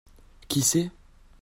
Qui c'est ?